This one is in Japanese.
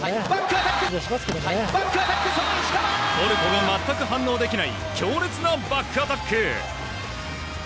トルコが全く反応できない強烈なバックアタック！